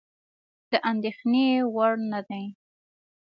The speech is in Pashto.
د اندېښنې وړ نه دي.